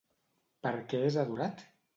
Per què és adorat?